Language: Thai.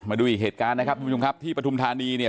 มาดูอีกเหตุการณ์นะครับที่ประทุมฐาณีเนี่ย